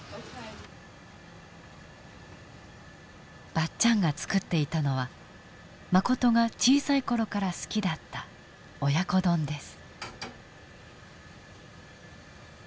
ばっちゃんが作っていたのはマコトが小さい頃から好きだった親子丼です。